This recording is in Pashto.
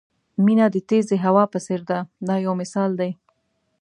مینه د تېزې هوا په څېر ده دا یو مثال دی.